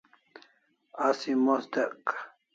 Asi mos dyek